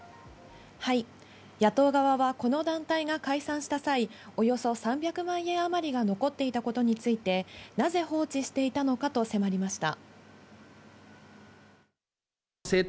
野党側はこの団体が解散した際、およそ３００万円あまりが残っていたことについて、なぜ放置していたのかと迫りました。